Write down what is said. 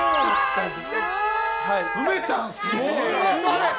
梅ちゃん、すごい。